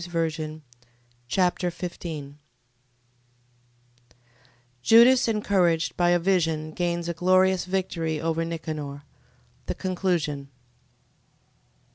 2 Machabees Chapter 15 Judas encouraged by a vision gains a glorious victory over Nicanor. The conclusion.